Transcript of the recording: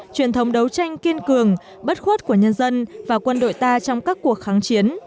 truyền thống đấu tranh kiên cường bất khuất của nhân dân và quân đội ta trong các cuộc kháng chiến